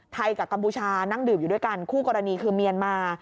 กับกัมพูชานั่งดื่มอยู่ด้วยกันคู่กรณีคือเมียนมา